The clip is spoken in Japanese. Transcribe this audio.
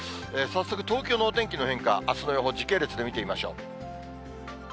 早速、東京のお天気の変化、あすの予報、時系列で見てみましょう。